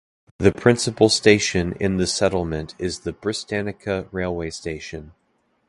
The principal station in the settlement is the Brestanica railway station.